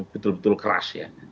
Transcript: betul betul keras ya